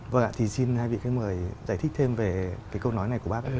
vâng ạ thì xin hai vị mời giải thích thêm về câu nói này của bác